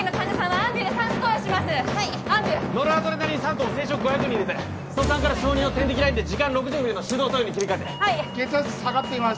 アンビューノルアドレナリン３筒生食５００に入れて側管から小児用点滴ラインで時間６０ミリの手動投与に切り替えてはい血圧下がっています